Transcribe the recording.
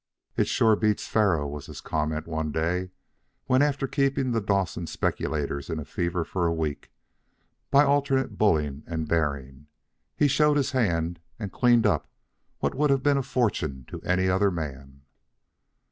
"It sure beats faro," was his comment one day, when, after keeping the Dawson speculators in a fever for a week by alternate bulling and bearing, he showed his hand and cleaned up what would have been a fortune to any other man.